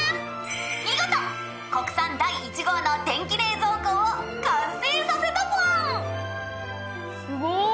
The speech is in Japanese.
「見事国産第１号の電気冷蔵庫を完成させたフォン」すごっ！